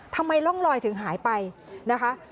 ทำไมร่องลอยถึงหายไปนะคะ